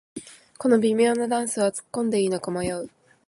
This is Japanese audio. この微妙なダンスはつっこんでいいのか迷う